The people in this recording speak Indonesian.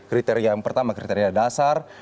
kriteria yang pertama kriteria dasar